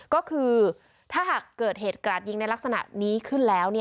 ก็คือถ้าหากเกิดเหตุกราดยิงในลักษณะนี้ขึ้นแล้ว